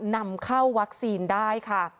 นำเข้าวัคซีนได้ค่ะ